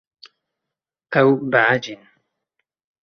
Ew behecîn.